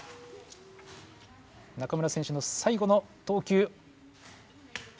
中村選手のさいごの投球。